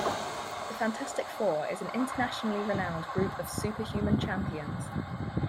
The Fantastic Four is an internationally renowned group of superhuman champions.